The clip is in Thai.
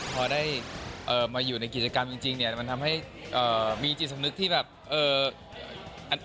พอได้มาอยู่ในกิจกรรมจริงเนี่ยมันทำให้มีจิตสำนึกที่แบบเออ